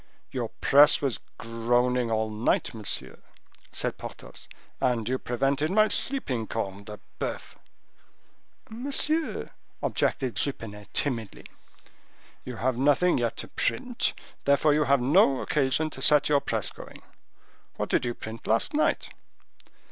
"Your press was groaning all night, monsieur," said Porthos, "and you prevented my sleeping, corne de boeuf!" "Monsieur—" objected Jupenet, timidly. "You have nothing yet to print: therefore you have no occasion to set your press going. What did you print last night?"